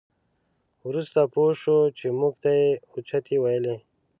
وروسته پوه شوو چې موږ ته یې اوچتې ویلې.